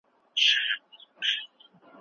له غازي میونده راغلې د شهید ګیله من چیغي